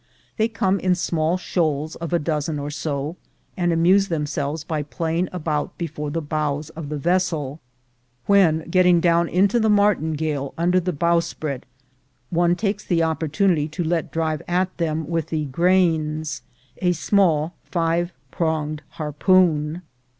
They come in small shoals of a dozen or so, and amuse themselves by playing about before the bows of the vessel, when, getting down into the martingale under the bowsprit, one takes the opportunity to let drive at them with the "grains," a small five pronged harpoon.